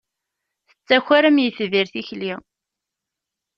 Tettaker am yitbir tikli.